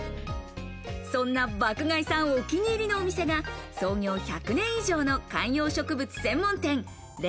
そんな爆買いさん、お気に入りのお店が創業１００年以上の観葉植